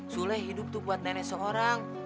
sule hidup tuh buat nenek seorang